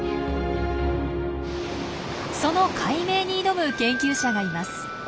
その解明に挑む研究者がいます。